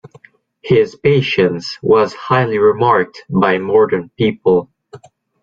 His patience was highly remarked by modern people.